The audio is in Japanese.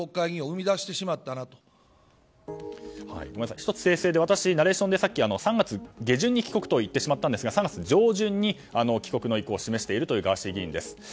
１つ訂正で私、ナレーションで３月下旬に帰国と言ってしまったんですが３月上旬に帰国の意向を示しているというガーシー議員です。